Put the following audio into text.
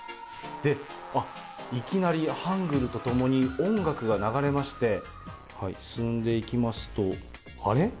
で、あっ、いきなりハングルと共に、音楽が流れまして、進んでいきますと、あれ？